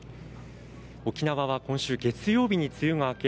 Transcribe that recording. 沖縄は今週月曜日に梅雨が明け